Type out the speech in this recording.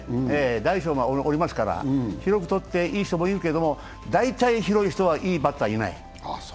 大小おりますから広くとっていい人もいるけど、大体広い人でいいバッターはいない。